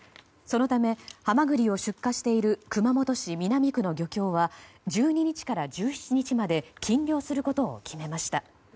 そのため、ハマグリを出荷している熊本県南区の漁業は１２日から１７日まで禁漁することを決めました。